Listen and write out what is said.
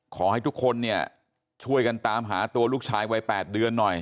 ขอให้ทุกคนเนี่ยช่วยกันตามหาตัวลูกชายวัย๘เดือนหน่อย